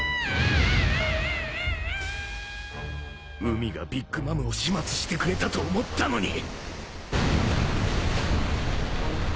海がビッグ・マムを始末してくれたと思ったのに。